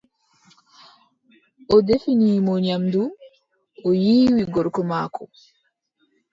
O defini mo nyamndu, o yiiwi gorko maako.